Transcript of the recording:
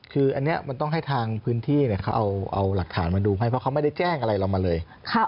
คือต้องให้ทางพื้นที่ก็เอาหลักฐานมาดูไหมเพราะเขาไม่ได้แจ้งอะไรเรามาเลย